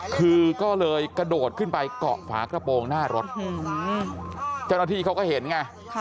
คือก็เลยกระโดดขึ้นไปเกาะฝากระโปรงหน้ารถเจ้าหน้าที่เขาก็เห็นไง